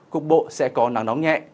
cục bộ sẽ có nắng nóng nhẹ